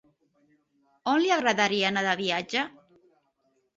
On li agradaria anar de viatge?